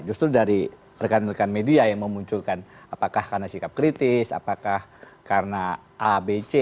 justru dari rekan rekan media yang memunculkan apakah karena sikap kritis apakah karena abc